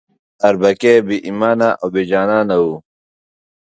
اربکی بې ایمانه او بې جانانه نه وو.